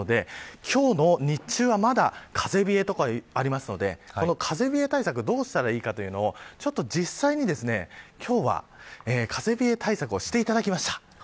今日の日中はまだ風冷えというのがありますので風冷え対策をどうするかというと実際に風冷え対策をしていただきました。